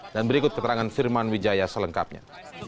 dan berikut keterangan firman wijaya selengkapnya